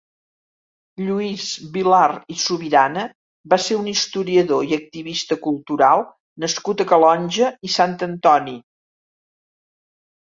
Lluís Vilar i Subirana va ser un historiador i activista cultural nascut a Calonge i Sant Antoni.